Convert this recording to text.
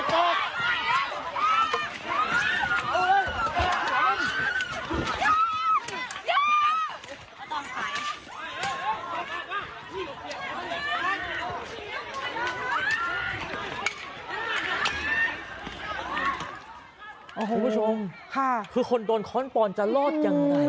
ค่ะคือคนโดนค้อนปอนด์จะรอดอย่างไหน